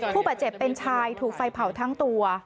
ผู้บาดเจ็บเป็นชายถูกไฟเผาทั้งตัว